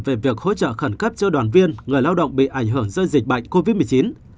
về việc hỗ trợ khẩn cấp cho đoàn viên người lao động bị ảnh hưởng do dịch bệnh covid một mươi chín